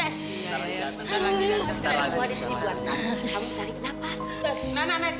dengan suasana menegakku